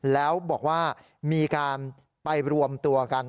แล้วบอกว่ามีการไปรวมตัวกัน